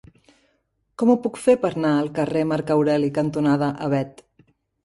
Com ho puc fer per anar al carrer Marc Aureli cantonada Avet?